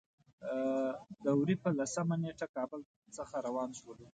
د وري په لسمه نېټه کابل څخه روان شولو.